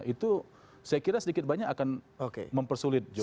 itu saya kira sedikit banyak akan mempersulit jokowi